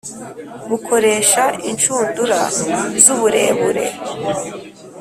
bukoresha inshundura z uburebure